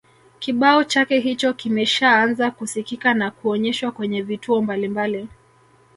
kibao chake hicho kimeshaanza kusikika na kuonyeshwa kwenye vituo mbalimbali